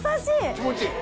気持ちいい？